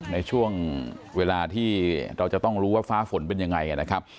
ในช่วงเวลาที่เราจะต้องรู้ว่าฟ้าฝนเป็นยังไงนะครับ